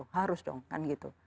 harus dong kan gitu